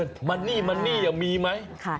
โอเคโอเคโอเค